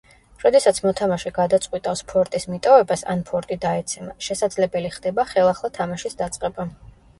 როდესაც მოთამაშე გადაწყვიტავს ფორტის მიტოვებას, ან ფორტი დაეცემა, შესაძლებელი ხდება ხელახლა თამაშის დაწყება.